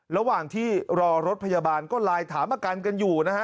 ระหว่างที่รอรถพยาบาลก็ไลน์ถามอาการกันอยู่นะฮะ